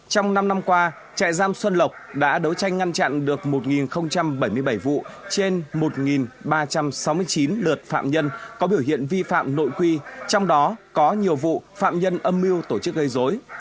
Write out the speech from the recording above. trong năm năm qua trại giam xuân lộc đã đấu tranh ngăn chặn được một bảy mươi bảy vụ trên một ba trăm sáu mươi chín lượt phạm nhân có biểu hiện vi phạm nội quy trong đó có nhiều vụ phạm nhân âm mưu tổ chức gây dối